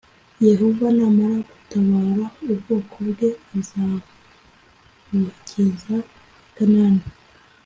Yehova namara gutabara ubwoko bwe azabugeza I kanani